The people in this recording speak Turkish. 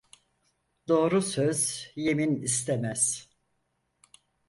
Doğru söz yemin istemez.